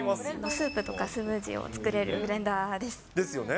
スープとかスムージーを作れるブレンダーです。ですよね。